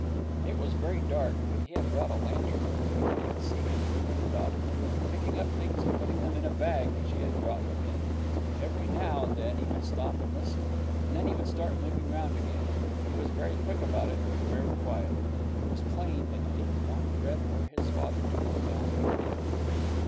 It was very dark, but he had brought a lantern with him, and I could see him moving about the room, picking things up and putting them in a bag which he had brought with him. Every now and then he would stop and listen, and then he would start moving round again. He was very quick about it, but very quiet. It was plain that he didn't want Fred or his father to come down and find him.